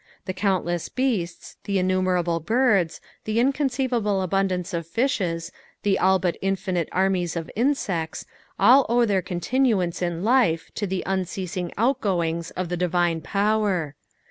The counlleas beasts, the innumerable birds, the inconceivable abundance of fishes, the all but infinite umies of inaecta, all owe tbeir coatinuance in life to the unceasing outgoings of th« divine power.